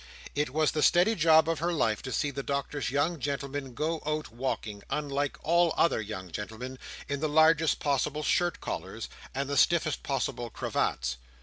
It was the steady joy of her life to see the Doctor's young gentlemen go out walking, unlike all other young gentlemen, in the largest possible shirt collars, and the stiffest possible cravats.